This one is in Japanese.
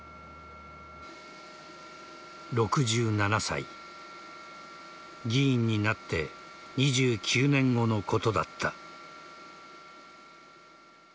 ６７歳、議員になって２９年後のことだった。